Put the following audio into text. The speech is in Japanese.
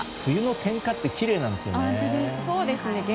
冬の点火ってきれいなんですよね。